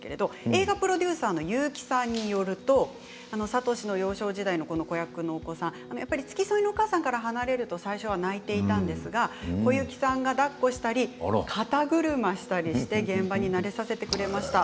映画プロデューサーの結城さんによると智の幼少時代の子役のお子さん付き添いのお母さんから離れると最初は泣いていたんですが小雪さんがだっこしたり肩車したりして現場に慣れさせてくれました。